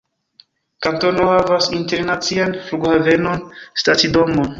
Kantono havas internacian flughavenon, stacidomon.